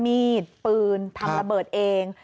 มีดปืนทำระเบิดเอง